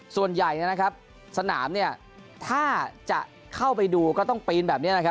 ส่วนใหญ่สนามถ้าจะเข้าไปดูก็ต้องปีนแบบนี้